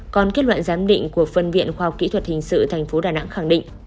còn kết luận giám định của phân viện khoa học kỹ thuật hình sự tp đà nẵng khẳng định